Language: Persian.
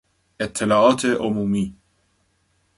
اطلاعات عمومی